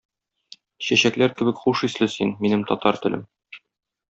Чәчәкләр кебек хуш исле син, минем татар телем!